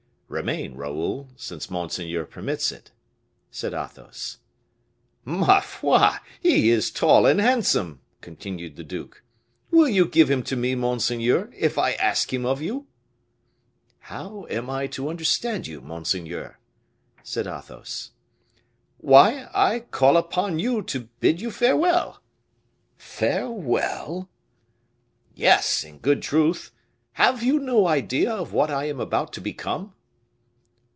"Remain, Raoul, since monseigneur permits it," said Athos. "Ma foi! he is tall and handsome!" continued the duke. "Will you give him to me, monseigneur, if I ask him of you?" "How am I to understand you, monseigneur?" said Athos. "Why, I call upon you to bid you farewell." "Farewell!" "Yes, in good truth. Have you no idea of what I am about to become?"